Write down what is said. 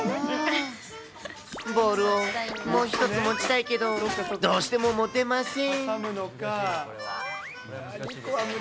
ボールをもう１つ持ちたいけど、どうしても持てません。